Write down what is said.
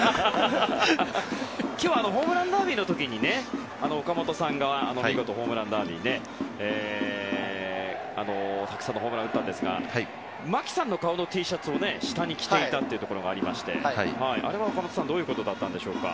今日はホームランダービーの時に岡本さんが見事ホームランダービーでたくさんのホームランを打ったんですが牧さんの顔のＴシャツを下に着ていたというのがありましてあれは岡本さんどういうことでしたか？